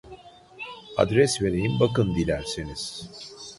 Adres vereyim bakın dilerseniz